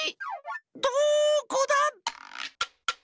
どこだ？